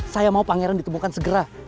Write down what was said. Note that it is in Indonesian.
saya mau pangeran ditemukan segera